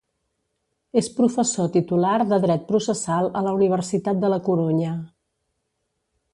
És professor titular de Dret Processal a la Universitat de la Corunya.